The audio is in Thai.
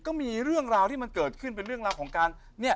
ก็มีเรื่องราวที่มันเกิดขึ้นเป็นเรื่องราวของการเนี่ย